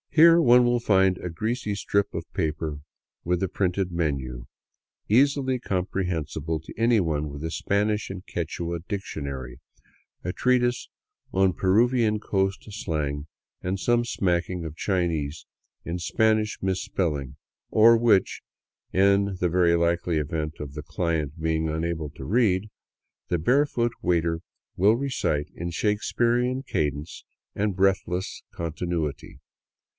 Here one will find a greasy strip of paper with a printed menu, easily com prehensible to anyone with a Spanish and Quichua dictionary, a treatise on Peruvian coast slang, and some smacking of Chinese in Spanish mis spelling; or which, in the very likely event of the client being unable to read, the barefoot waiter will recite in Shakesperean cadence and breathless continuity.